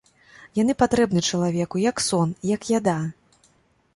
Яны патрэбны чалавеку як сон, як яда.